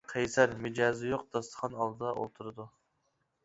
قەيسەر مىجەزى يوق داستىخان ئالدىدا ئولتۇرىدۇ.